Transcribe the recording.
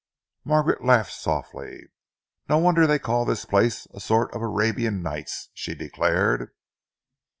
Margaret laughed softly. "No wonder they call this place a sort of Arabian Nights!" she declared.